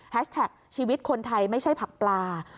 แท็กชีวิตคนไทยไม่ใช่ผักปลา